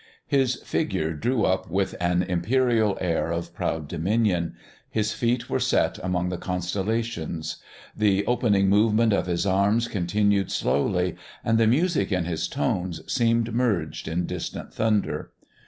His figure drew up with an imperial air of proud dominion. His feet were set among the constellations. The opening movement of his arms continued slowly. And the music in his tones seemed merged in distant thunder.